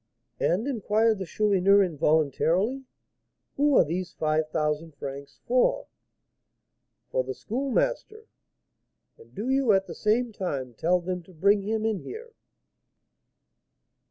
"And," inquired the Chourineur, involuntarily, "who are those five thousand francs for?" "For the Schoolmaster. And do you, at the same time, tell them to bring him in here."